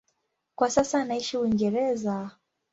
Kwa sasa anaishi Uingereza.